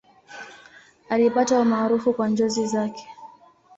Alipata umaarufu kwa njozi zake.